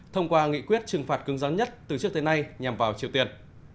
thông qua nghị quyết trừng phạt cứng rắn nhất từ trước tới nay nhằm vào triều tiên